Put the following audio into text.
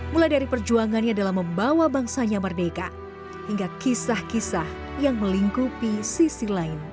mulai dari perjuangannya dalam membawa bangsanya merdeka hingga kisah kisah yang melingkupi sisi lain